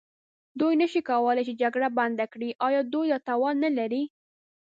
دوی نه شي کولای چې جګړه بنده کړي، ایا دوی دا توان نه لري؟